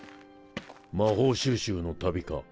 魔法収集の旅か？